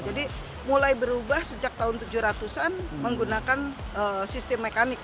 jadi mulai berubah sejak tahun tujuh ratus an menggunakan sistem mekanik